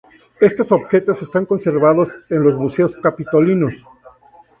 Estos objetos están conservados en los Museos Capitolinos.